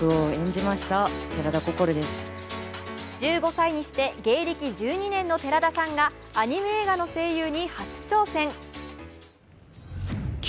１５歳にして芸歴１２年の寺田さんがアニメ映画の声優に初挑戦。